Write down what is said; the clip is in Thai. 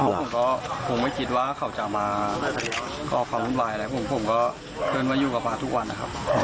ผมก็ผมไม่คิดว่าเขาจะมากอบคำบรรยายอะไรผมก็เพิ่งว่าอยู่กับเขาทุกวันนะครับ